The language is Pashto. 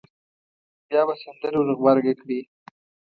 بیا به سندره ور غبرګه کړي.